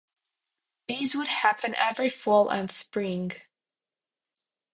These would happen every fall and spring.